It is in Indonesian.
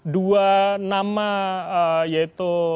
dua nama yaitu